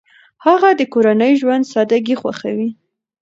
هغه د کورني ژوند سادګي خوښوي.